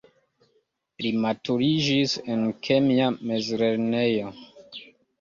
Li maturiĝis en kemia mezlernejo.